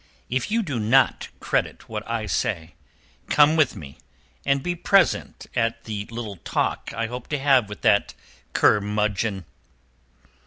If you do not credit what I say, come with me and be present at the little talk I hope to have with that curmudgeon."